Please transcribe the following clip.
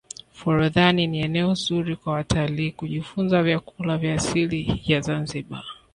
forodhani ni eneo zuri kwa watalii kujifunza vyakula vya asili ya zanzibar